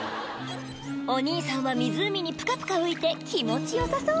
お兄さんは湖にプカプカ浮いて気持ちよさそう！